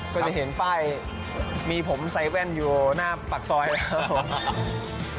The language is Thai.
ก็จะเห็นป้ายมีผมใส่แว่นอยู่หน้าปากซอยแล้วครับผม